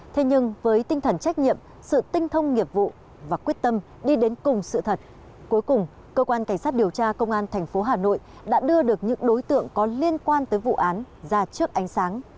thế nhưng với tinh thần trách nhiệm sự tinh thông nghiệp vụ và quyết tâm đi đến cùng sự thật cuối cùng cơ quan cảnh sát điều tra công an tp hà nội đã đưa được những đối tượng có liên quan tới vụ án ra trước ánh sáng